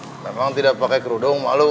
aka ngewok tidak pakai kerudung malu